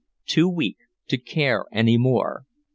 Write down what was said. too weak to care any more.